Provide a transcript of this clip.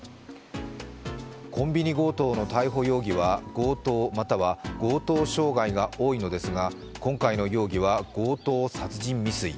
コンビニ強盗の逮捕容疑は強盗または強盗傷害が多いのですが、今回の容疑は強盗殺人未遂。